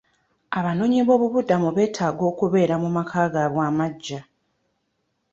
Abanoonyi b'obubuddamu beetaaga okubeera mu maka gaabwe amagya.